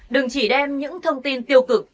đừng chỉ đem những thông tin tiêu cực